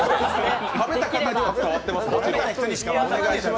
食べた方には伝わってますから。